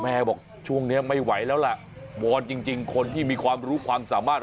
บอกช่วงนี้ไม่ไหวแล้วล่ะวอนจริงคนที่มีความรู้ความสามารถ